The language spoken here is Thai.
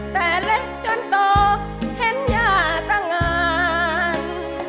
แต่เล็กจนโตเห็นย่าตั้งงาน